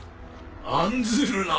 案ずるな。